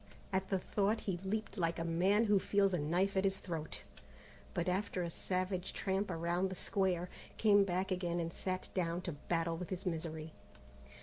At the thought he leaped like a man who feels a knife at his throat, but after a savage tramp around the square, came back again and sat down to battle with his misery.